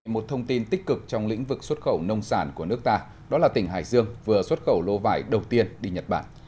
một thông tin tích cực trong lĩnh vực xuất khẩu nông sản của nước ta đó là tỉnh hải dương vừa xuất khẩu lô vải đầu tiên đi nhật bản